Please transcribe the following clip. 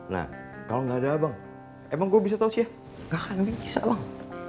nah kalau gak ada abang emang gue bisa tau sya gak akan bisa bang